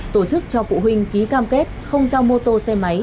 tổ chức cho phụ huynh ký cam kết không giao mô tô xe máy